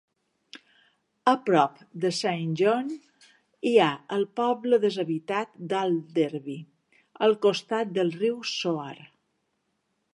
A prop de Saint John hi ha el poble deshabitat d'Alderby al costat del riu Soar.